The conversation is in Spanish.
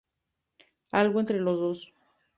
Algo entre los dos.